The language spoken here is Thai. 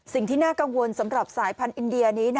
สิ่งที่น่ากังวลสำหรับสายพันธุ์อินเดียนี้